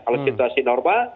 kalau situasi normal